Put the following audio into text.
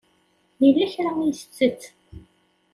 Yella kra ay la tettett.